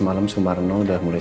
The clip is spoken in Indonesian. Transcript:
jadi kita status tough